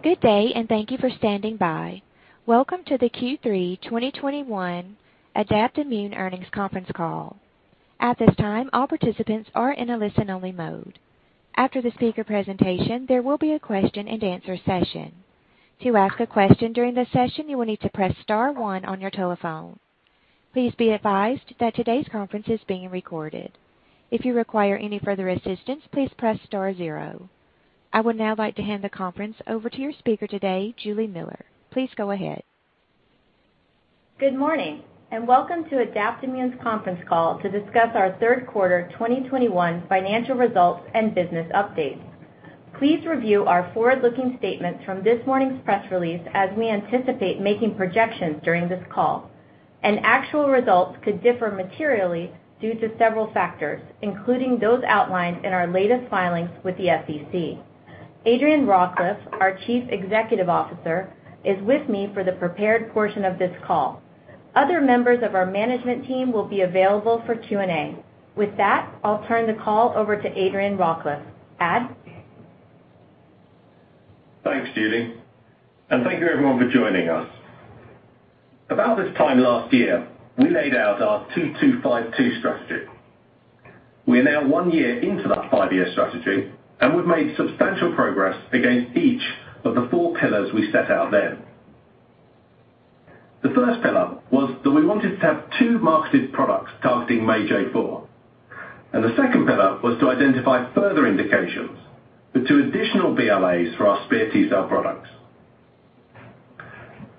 Good day, and thank you for standing by. Welcome to the Q3 2021 Adaptimmune Earnings Conference Call. At this time, all participants are in a listen-only mode. After the speaker presentation, there will be a question and answer session. To ask a question during the session, you will need to press star one on your telephone. Please be advised that today's conference is being recorded. If you require any further assistance, please press star zero. I would now like to hand the conference over to your speaker today, Julie Miller. Please go ahead. Good morning, and welcome to Adaptimmune's Conference Call to Discuss our Third Quarter 2021 Financial Results and Business Updates. Please review our forward-looking statements from this morning's press release as we anticipate making projections during this call, and actual results could differ materially due to several factors, including those outlined in our latest filings with the SEC. Adrian Rawcliffe, our Chief Executive Officer, is with me for the prepared portion of this call. Other members of our Management Team will be available for Q&A. With that, I'll turn the call over to Adrian Rawcliffe. Thanks, Julie. Thank you everyone for joining us. About this time last year, we laid out our 2-2-5-2 strategy. We are now one year into that five-year strategy, and we've made substantial progress against each of the four pillars we set out then. The first pillar was that we wanted to have two marketed products targeting MAGE-A4. The second pillar was to identify further indications with two additional BLAs for our SPEAR T-cell products.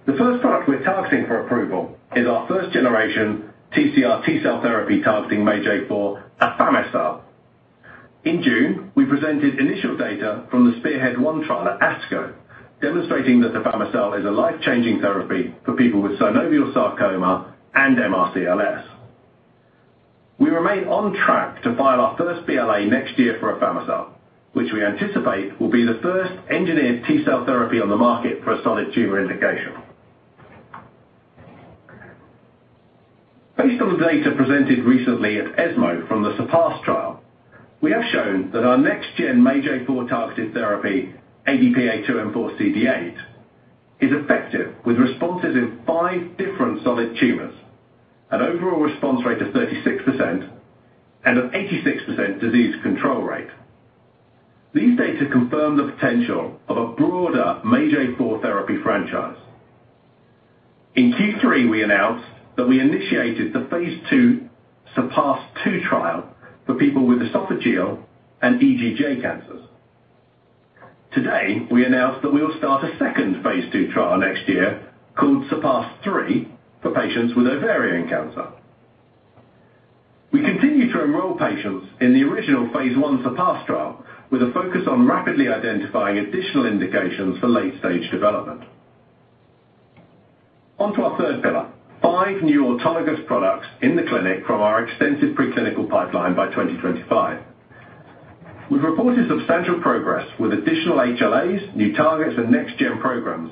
The first product we're targeting for approval is our first-generation TCR T-cell therapy targeting MAGE-A4, afami-cel. In June, we presented initial data from the SPEARHEAD-1 trial at ASCO, demonstrating that afami-cel is a life-changing therapy for people with synovial sarcoma and MRCLS. We remain on track to file our first BLA next year for afami-cel, which we anticipate will be the first engineered T-cell therapy on the market for a solid tumor indication. Based on the data presented recently at ESMO from the SURPASS trial, we have shown that our next-generation MAGE-A4-targeted therapy, ADP-A2M4CD8, is effective, with responses in five different solid tumors, an overall response rate of 36%, and an 86% disease control rate. These data confirm the potential of a broader MAGE-A4 therapy franchise. In Q3, we announced that we initiated the phase II SURPASS-2 trial for people with esophageal and EGJ cancers. Today, we announced that we will start a second phase II trial next year called SURPASS-3 for patients with ovarian cancer. We continue to enroll patients in the original phase I SURPASS trial with a focus on rapidly identifying additional indications for late-stage development. Onto our third pillar, new new autologous products in the clinic from our extensive preclinical pipeline by 2025. We've reported substantial progress with additional HLAs, new targets, and next-gen programs,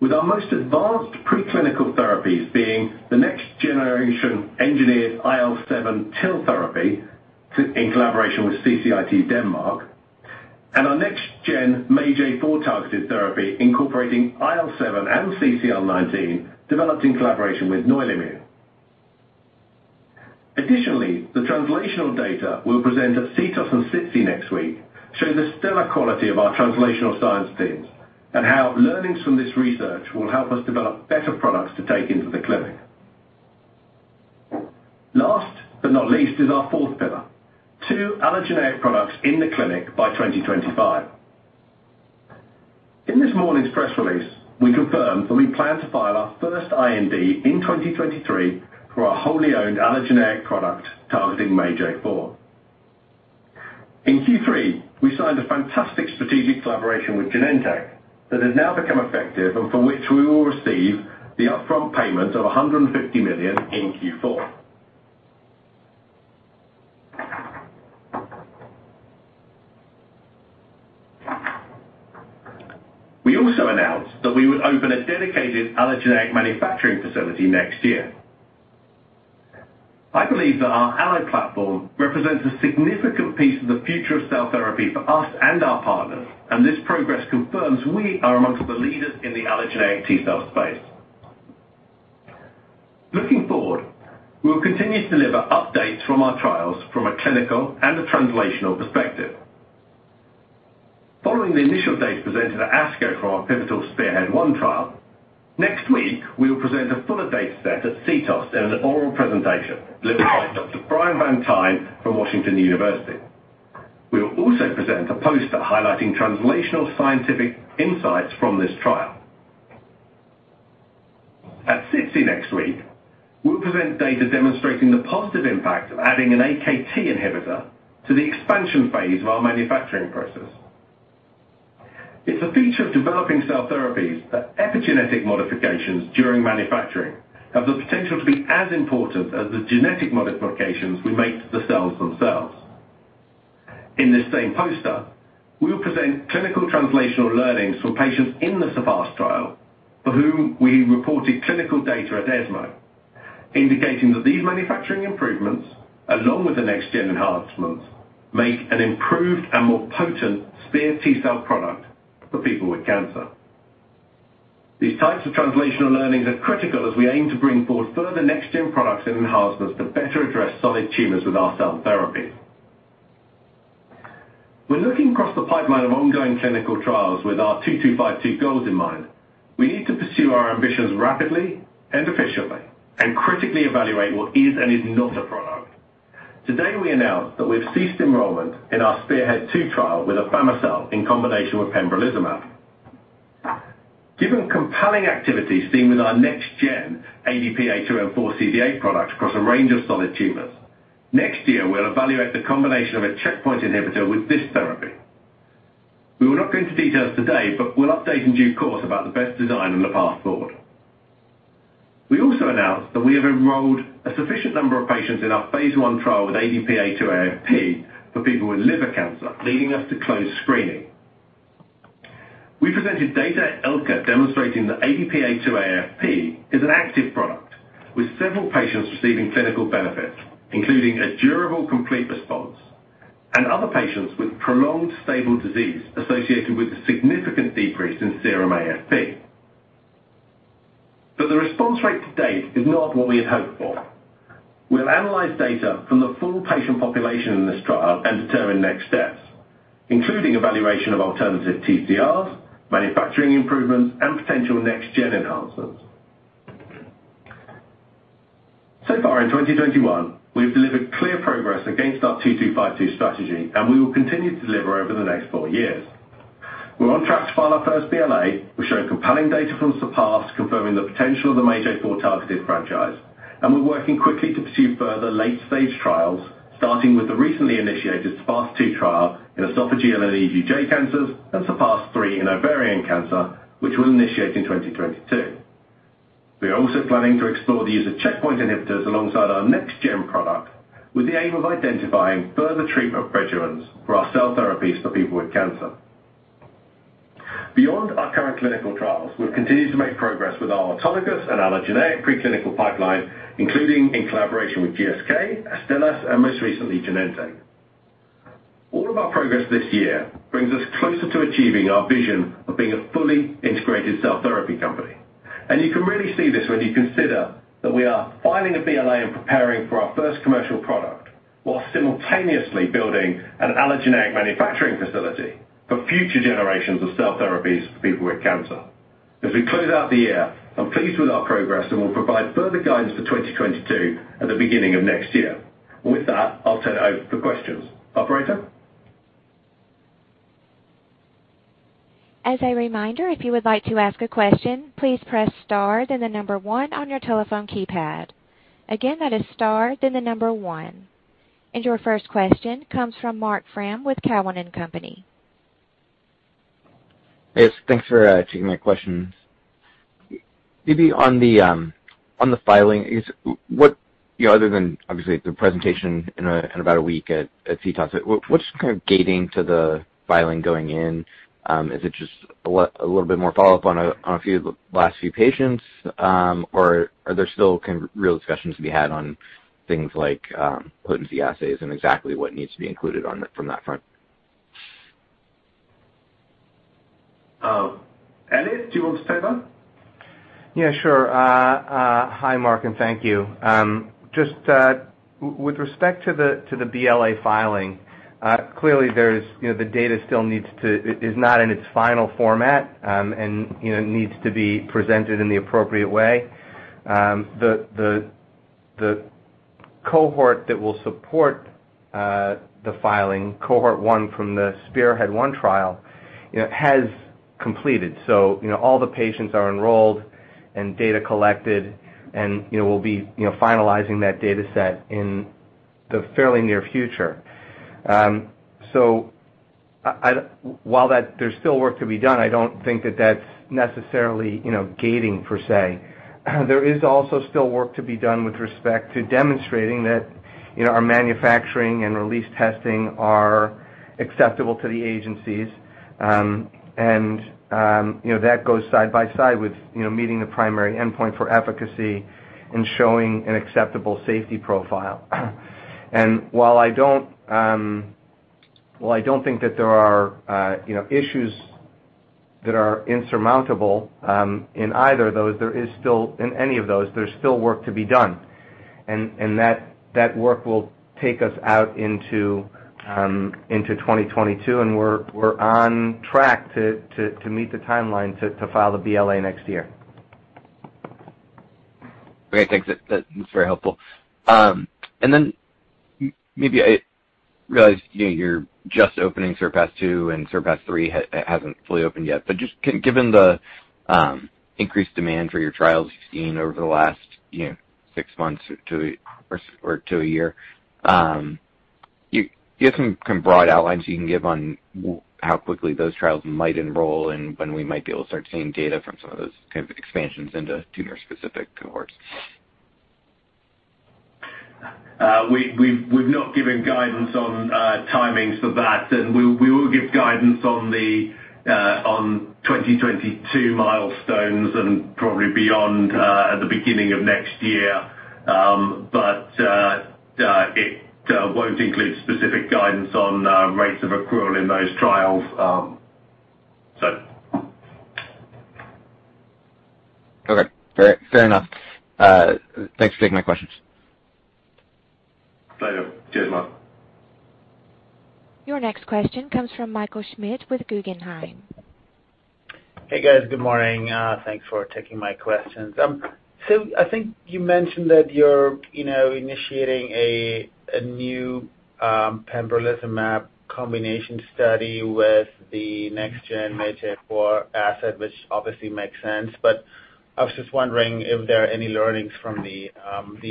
with our most advanced preclinical therapies being the next-generation engineered IL-7 TIL therapy, too, in collaboration with CCIT-DK, and our next-gen MAGE-A4-targeted therapy incorporating IL-7 and CCL19 developed in collaboration with Noile-Immune. Additionally, the translational data we'll present at CTOS and SITC next week show the stellar quality of our translational science teams and how learnings from this research will help us develop better products to take into the clinic. Last but not least is our fourth pillar, two allogeneic products in the clinic by 2025. In this morning's press release, we confirmed that we plan to file our first IND in 2023 for our wholly owned allogeneic product targeting MAGE-A4. In Q3, we signed a fantastic strategic collaboration with Genentech that has now become effective and for which we will receive the upfront payment of $150 million in Q4. We also announced that we would open a dedicated allogeneic manufacturing facility next year. I believe that our Allo platform represents a significant piece of the future of cell therapy for us and our partners, and this progress confirms we are amongst the leaders in the allogeneic T-cell space. Looking forward, we'll continue to deliver updates from our trials from a clinical and a translational perspective. Following the initial data presented at ASCO for our pivotal SPEARHEAD-1 trial, next week we will present a fuller data set at CTOS in an oral presentation delivered by Dr. Brian Van Tine from Washington University. We will also present a poster highlighting translational scientific insights from this trial. At SITC next week, we'll present data demonstrating the positive impact of adding an Akt inhibitor to the expansion phase of our manufacturing process. It's a feature of developing cell therapies that epigenetic modifications during manufacturing have the potential to be as important as the genetic modifications we make to the cells themselves. In this same poster, we will present clinical translational learnings from patients in the SURPASS trial for whom we reported clinical data at ESMO, indicating that these manufacturing improvements, along with the next gen enhancements, make an improved and more potent SPEAR T-cell product for people with cancer. These types of translational learnings are critical as we aim to bring forward further next-gen products and enhancements to better address solid tumors with our cell therapy. When looking across the pipeline of ongoing clinical trials with our 2-2-5-2 goals in mind, we need to pursue our ambitions rapidly and efficiently, and critically evaluate what is and is not a product. Today, we announced that we've ceased enrollment in our SPEARHEAD-2 trial with afami-cel in combination with pembrolizumab. Given compelling activity seen with our next-gen ADP-A2M4CD8 product across a range of solid tumors, next year we'll evaluate the combination of a checkpoint inhibitor with this therapy. We will not go into details today, but we'll update in due course about the best design and the path forward. We also announced that we have enrolled a sufficient number of patients in our phase I trial with ADP-A2AFP for people with liver cancer, leading us to close screening. We presented data at ILCA demonstrating that ADP-A2AFP is an active product, with several patients receiving clinical benefits, including a durable, complete response and other patients with prolonged stable disease associated with a significant decrease in serum AFP. The response rate-to-date is not what we had hoped for. We'll analyze data from the full patient population in this trial and determine next steps, including evaluation of alternative TCRs, manufacturing improvements, and potential next gen enhancements. So far in 2021, we've delivered clear progress against our 2-2-5-2 strategy, and we will continue to deliver over the next four years. We're on track to file our first BLA. We're showing compelling data from SURPASS confirming the potential of the MAGE-A4-targeted franchise, and we're working quickly to pursue further late-stage trials, starting with the recently initiated SURPASS-2 trial in esophageal and EGJ cancers and SURPASS-3 in ovarian cancer, which we'll initiate in 2022. We're also planning to explore the use of checkpoint inhibitors alongside our next-gen product with the aim of identifying further treatment regimens for our cell therapies for people with cancer. Beyond our current clinical trials, we've continued to make progress with our autologous and allogeneic preclinical pipeline, including in collaboration with GSK, Astellas, and most recently, Genentech. All of our progress this year brings us closer to achieving our vision of being a fully integrated cell therapy company. You can really see this when you consider that we are filing a BLA and preparing for our first commercial product while simultaneously building an allogeneic manufacturing facility for future generations of cell therapies for people with cancer. As we close out the year, I'm pleased with our progress, and we'll provide further guidance for 2022 at the beginning of next year. With that, I'll turn it over for questions. Operator? As a reminder, if you would like to ask a question, please press star then one on your telephone keypad. Again, that is star then one. Your first question comes from Mark Frahm with Cowen and Company. Yes, thanks for taking my questions. Maybe on the filing, what, you know, other than obviously the presentation in about a week at CTOS, what's kind of gating to the filing going in? Is it just a little bit more follow-up on a few of the last few patients? Or are there still real discussions to be had on things like potency assays and exactly what needs to be included on it from that front? Elliot, do you want to take that? Yeah, sure. Hi Mark, and thank you. Just with respect to the BLA filing, clearly the data is not in its final format and needs to be presented in the appropriate way. The cohort that will support the filing, Cohort 1 from the SPEARHEAD-1 trial, has completed. So all the patients are enrolled and data collected and we'll be finalizing that data set in the fairly near future. While there's still work to be done, I don't think that's necessarily gating per se. There is also still work to be done with respect to demonstrating that our manufacturing and release testing are acceptable to the agencies. You know, that goes side by side with, you know, meeting the primary endpoint for efficacy and showing an acceptable safety profile. While I don't think that there are, you know, issues that are insurmountable in either of those, in any of those, there's still work to be done. That work will take us out into 2022, and we're on track to meet the timeline to file the BLA next year. Great. Thanks. That's very helpful. Maybe I realize, you know, you're just opening SURPASS-2 and SURPASS-3 hasn't fully opened yet. Given the increased demand for your trials you've seen over the last six months to a year, do you have some kind of broad outlines you can give on how quickly those trials might enroll and when we might be able to start seeing data from some of those kind of expansions into tumor-specific cohorts? We've not given guidance on timings for that, and we will give guidance on 2022 milestones and probably beyond at the beginning of next year. It won't include specific guidance on rates of accrual in those trials. Okay. Fair enough. Thanks for taking my questions. Later. Cheers, Mark. Your next question comes from Michael Schmidt with Guggenheim. Hey, guys. Good morning. Thanks for taking my questions. So I think you mentioned that you're, you know, initiating a new pembrolizumab combination study with the next-gen MAGE-A4 asset, which obviously makes sense. I was just wondering if there are any learnings from the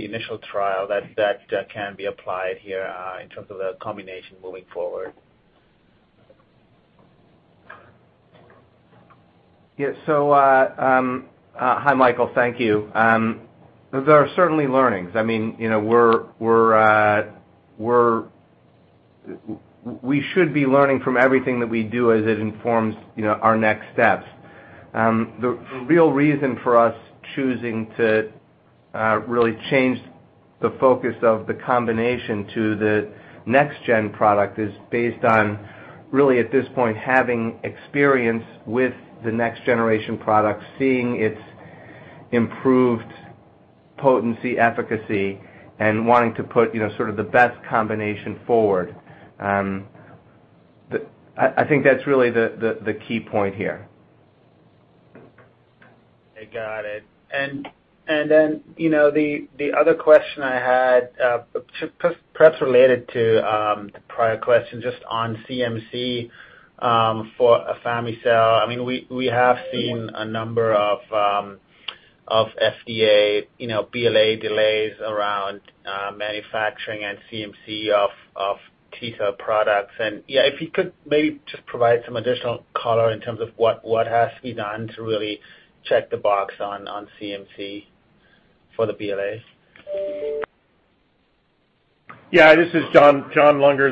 initial trial that can be applied here in terms of the combination moving forward. Hi, Michael. Thank you. There are certainly learnings. I mean, you know, we should be learning from everything that we do as it informs, you know, our next steps. The real reason for us choosing to really change the focus of the combination to the next gen product is based on really at this point, having experience with the next generation product, seeing its improved potency and efficacy and wanting to put, you know, sort of the best combination forward. I think that's really the key point here. I got it. You know, the other question I had, perhaps related to the prior0question just on CMC for afami-cel. I mean, we have seen a number of FDA, you know, BLA delays around manufacturing and CMC of T-cell products. Yeah, if you could maybe just provide some additional color in terms of what has to be done to really check the box on CMC for the BLAs. Yeah, this is John Lunger.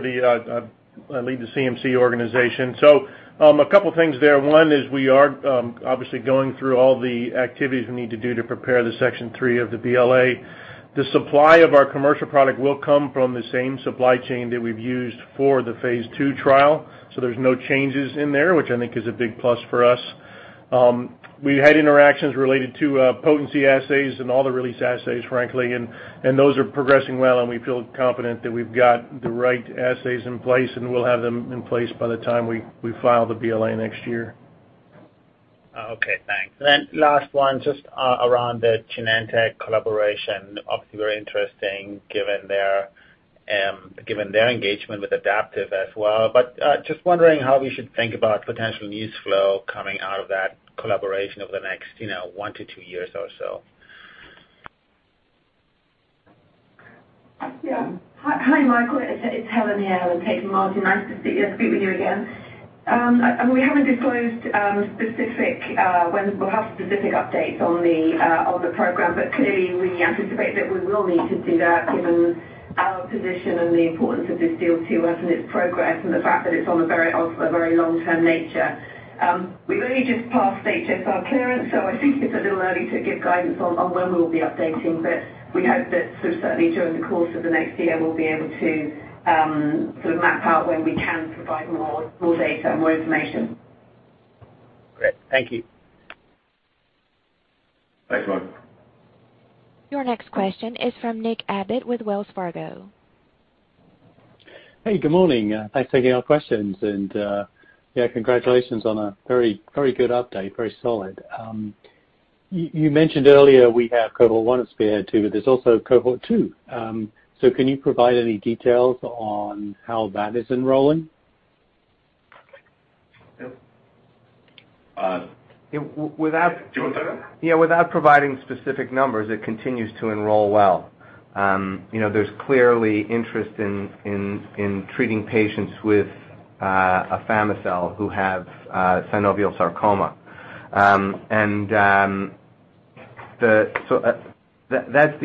I lead the CMC organization. A couple things there. One is we are obviously going through all the activities we need to do to prepare the Section 3 of the BLA. The supply of our commercial product will come from the same supply chain that we've used for the phase II trial. There's no changes in there, which I think is a big plus for us. We had interactions related to potency assays and all the release assays, frankly, and those are progressing well, and we feel confident that we've got the right assays in place, and we'll have them in place by the time we file the BLA next year. Oh, okay. Thanks. Last one, just around the Genentech collaboration. Obviously very interesting given their engagement with Adaptive as well. Just wondering how we should think about potential news flow coming out of that collaboration over the next, you know, one to two years or so. Yeah. Hi, Michael. It's Helen here in place of Marty. Nice to see you, speak with you again. We haven't disclosed specific when we'll have specific updates on the program, but clearly we anticipate that we will need to do that given our position and the importance of this deal to us and its progress and the fact that it's on a very long-term nature. We've only just passed HSR clearance, so I think it's a little early to give guidance on when we'll be updating. We hope that certainly during the course of the next year, we'll be able to sort of map out when we can provide more data and more information. Great. Thank you. Thanks, Mark. Your next question is from [Nick Abbott] with Wells Fargo. Hey, good morning. Thanks for taking our questions. Yeah, congratulations on a very good update. Very solid. You mentioned earlier we have Cohort 1 of SPEAR-2, but there's also Cohort 2. So can you provide any details on how that is enrolling? Yep. Without. Do you want to take that? Yeah, without providing specific numbers, it continues to enroll well. You know, there's clearly interest in treating patients with afami-cel who have synovial sarcoma. That's the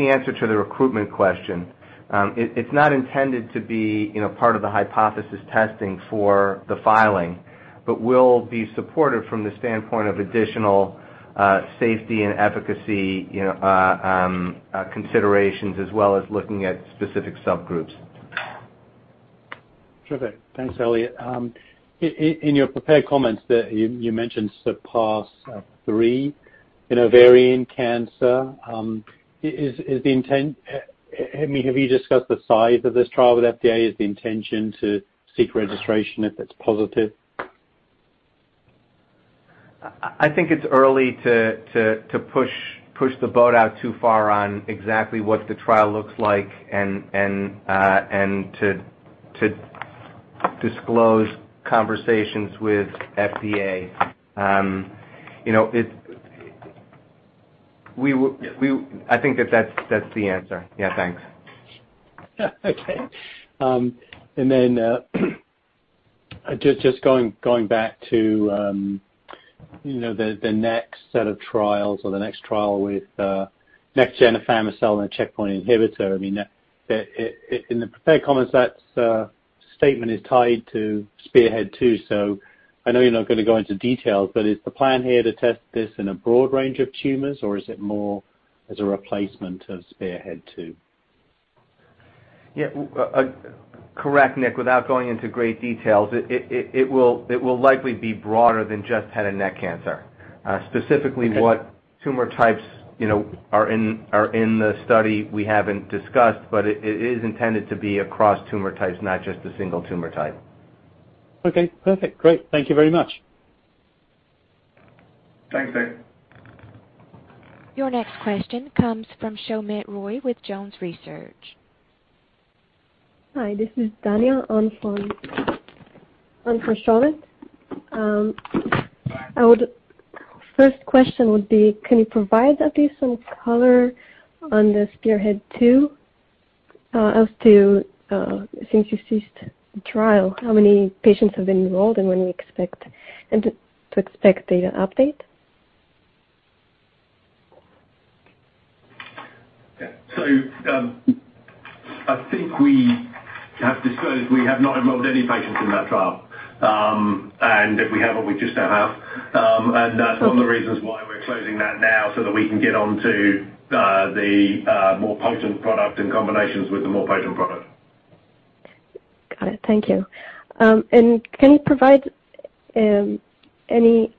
answer to the recruitment question. It's not intended to be, you know, part of the hypothesis testing for the filing, but will be supported from the standpoint of additional safety and efficacy, you know, considerations, as well as looking at specific subgroups. Terrific. Thanks, Elliot. In your prepared comments that you mentioned SURPASS-3 in ovarian cancer, is the intent I mean have you discussed the size of this trial with FDA? Is the intention to seek registration if it's positive? I think it's early to push the boat out too far on exactly what the trial looks like and to disclose conversations with FDA. You know, I think that's the answer. Yeah, thanks. Okay. Just going back to, you know, the next set of trials or the next trial with next gen afami-cel and a checkpoint inhibitor. I mean, in the prepared comments that statement is tied to SPEARHEAD-2. I know you're not gonna go into details, but is the plan here to test this in a broad range of tumors, or is it more as a replacement of SPEARHEAD-2? Yeah. Correct, Nick, without going into great details, it will likely be broader than just head and neck cancer. Okay. Specifically what tumor types, you know, are in the study we haven't discussed, but it is intended to be across tumor types, not just a single tumor type. Okay. Perfect. Great. Thank you very much. Thanks, Nick. Your next question comes from Soumit Roy with Jones Research. Hi, this is Daniel on for Soumit. First question would be, can you provide at least some color on the SPEARHEAD-2 as to since you dosed the trial, how many patients have been enrolled and when you expect data update? I think we have disclosed we have not enrolled any patients in that trial. If we haven't, we just don't have. That's one of the reasons why we're closing that now, so that we can get onto the more potent product in combinations with the more potent product. Got it. Thank you. Can you provide any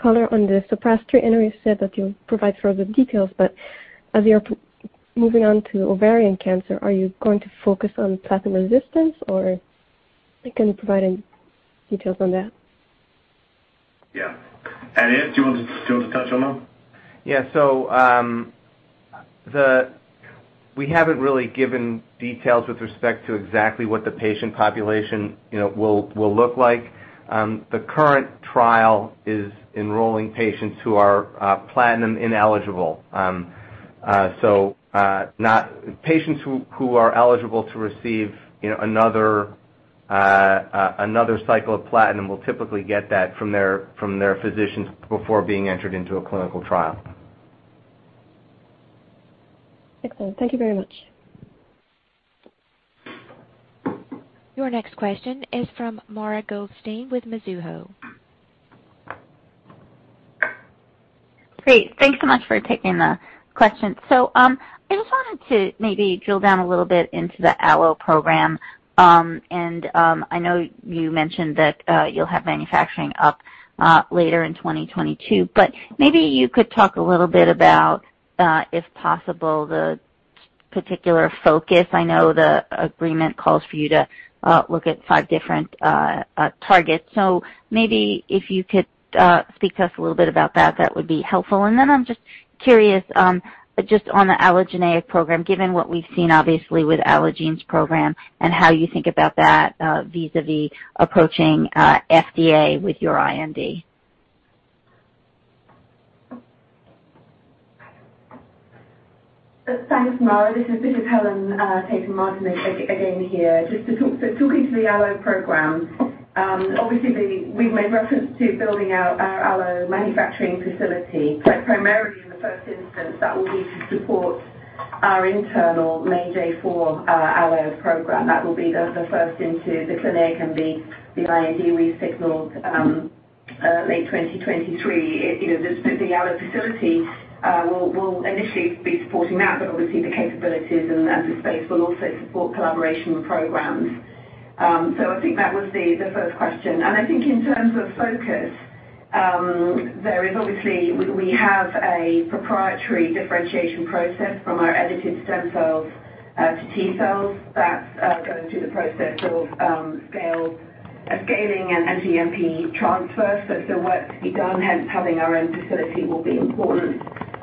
color on the SURPASS-3? I know you said that you'll provide further details, but as you're moving on to ovarian cancer, are you going to focus on platinum resistance, or can you provide any details on that? Yeah. Elliot, do you want to touch on that? We haven't really given details with respect to exactly what the patient population, you know, will look like. The current trial is enrolling patients who are platinum ineligible. Not patients who are eligible to receive, you know, another cycle of platinum will typically get that from their physicians before being entered into a clinical trial. Excellent. Thank you very much. Your next question is from Mara Goldstein with Mizuho. Great. Thanks so much for taking the question. I just wanted to maybe drill down a little bit into the Allo program. I know you mentioned that you'll have manufacturing up later in 2022, but maybe you could talk a little bit about, if possible, the particular focus. I know the agreement calls for you to look at five different targets. Maybe if you could speak to us a little bit about that would be helpful. I'm just curious, just on the allogeneic program, given what we've seen, obviously, with Allogene's program and how you think about that vis-à-vis approaching FDA with your IND. Thanks, Mara. This is Helen Tayton-Martin again here. Just to talk to the Allo program, obviously we've made reference to building out our Allo manufacturing facility, but primarily in the first instance, that will be to support our internal MAGE-A4 Allo program. That will be the first into the clinic and the IND we signaled late 2023. You know, the Allo facility will initially be supporting that, but obviously the capabilities and the space will also support collaboration programs. I think that was the first question. I think in terms of focus, there is obviously, we have a proprietary differentiation process from our edited stem cells to T cells that go through the process of scaling and cGMP transfer. There's still work to be done, hence having our own facility will be important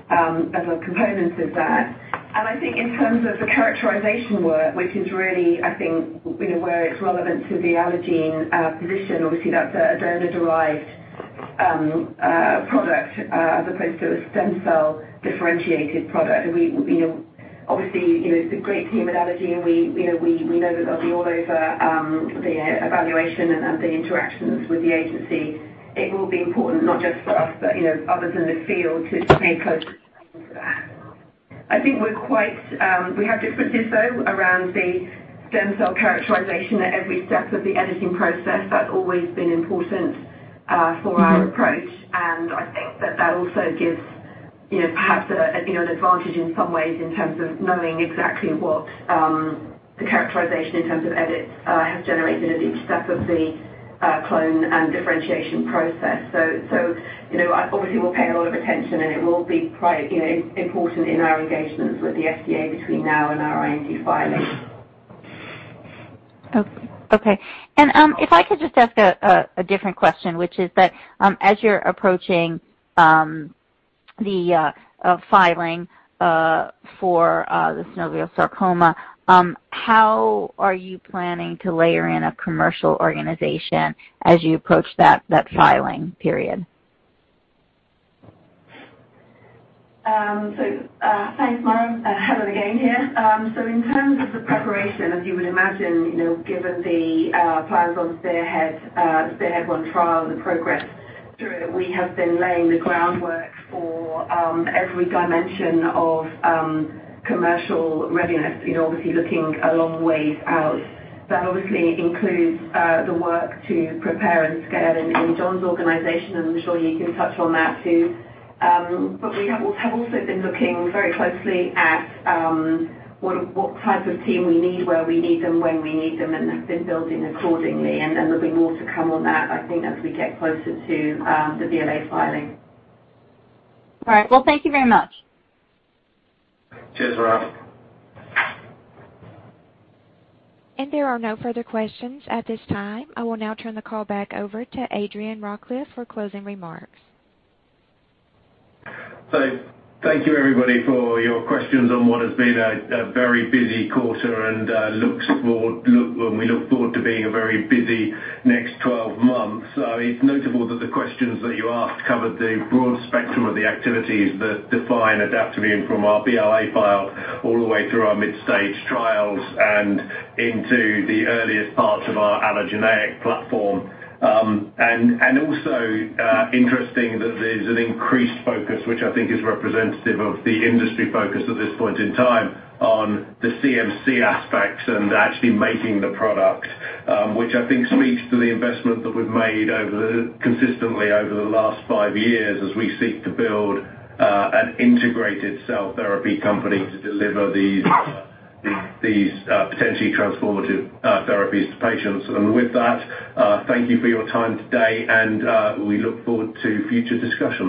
as a component of that. I think in terms of the characterization work, which is really where it's relevant to the Allogene position, obviously that's a donor-derived product as opposed to a stem cell differentiated product. We know obviously it's a great team at Allogene. We know that they'll be all over the evaluation and the interactions with the agency. It will be important not just for us, but others in the field to stay close to that. I think we're quite, we have differences, though, around the stem cell characterization at every step of the editing process. That's always been important for our approach. I think that also gives, you know, perhaps, you know, an advantage in some ways in terms of knowing exactly what the characterization in terms of edits has generated at each step of the clone and differentiation process. So, you know, I obviously will pay a lot of attention, and it will be you know, important in our engagements with the FDA between now and our IND filing. Okay. If I could just ask a different question, which is that, as you're approaching the filing for the synovial sarcoma, how are you planning to layer in a commercial organization as you approach that filing period? Thanks, Mara. Helen again here. In terms of the preparation, as you would imagine, you know, given the plans on the SPEARHEAD-1 trial, the progress through it, we have been laying the groundwork for every dimension of commercial readiness, you know, obviously looking a long ways out. That obviously includes the work to prepare and scale in John's organization, and I'm sure you can touch on that too. We have also been looking very closely at what type of team we need, where we need them, when we need them, and have been building accordingly. There'll be more to come on that, I think, as we get closer to the BLA filing. All right. Well, thank you very much. Cheers, Mara. There are no further questions at this time. I will now turn the call back over to Adrian Rawcliffe for closing remarks. Thank you everybody for your questions on what has been a very busy quarter, and we look forward to being a very busy next 12 months. It's notable that the questions that you asked covered the broad spectrum of the activities that define Adaptimmune from our BLA file all the way through our mid-stage trials and into the earliest parts of our allogeneic platform. It's interesting that there's an increased focus, which I think is representative of the industry focus at this point in time on the CMC aspects and actually making the product, which I think speaks to the investment that we've made consistently over the last five years as we seek to build an integrated cell therapy company to deliver these potentially transformative therapies to patients. With that, thank you for your time today, and we look forward to future discussions.